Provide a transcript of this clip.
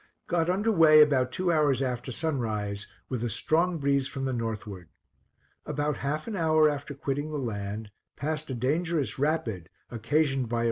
Got under way about two hours after sunrise, with a strong breeze from the northward. About half an hour after quitting the land, passed a dangerous rapid, occasioned by a.